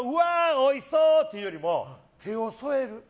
おいしそう！って言うよりも手を添える。